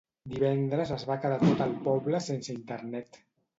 Divendres es va quedar tot el poble sense internet